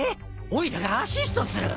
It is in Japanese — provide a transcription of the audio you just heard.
おいらがアシストする。